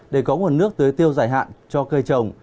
để có nguồn nước tưới tiêu dài hạn cho cây trồng